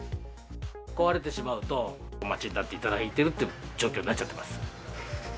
壊れてしまうと、お待ちになっていただいているという状況になっちゃってます。